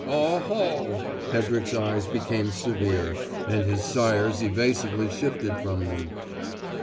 "Oho!" Hedrick's eyes became severe, and his sire's evasively shifted from them.